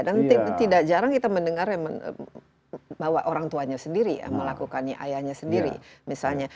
dan tidak jarang kita mendengar bahwa orang tuanya sendiri melakukannya ayahnya sendiri misalnya